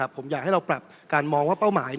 ผมอยากให้เราปรับการมองว่าเป้าหมาย